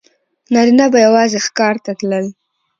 نارینه به یوازې ښکار ته تلل.